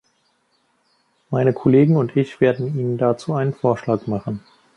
Meine Kollegen und ich werden Ihnen dazu einen Vorschlag machen.